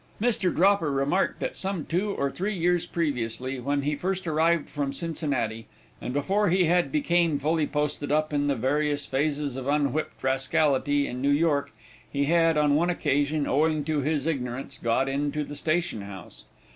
Mr. Dropper remarked that some two or three years previously, when he first arrived from Cincinnati, and before he had became fully posted up in the various phases of unwhipped rascality in New York, he had, on one occasion, owing to his ignorance, got into the station house.